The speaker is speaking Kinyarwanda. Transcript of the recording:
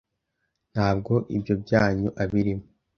ntabwo ibyo byanyu abirimo